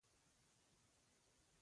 • مینه د روح غذا ده.